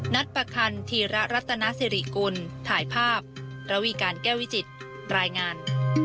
นัดประคันธีระรัตนาสิริกุลถ่ายภาพระวีการแก้ววิจิตรายงาน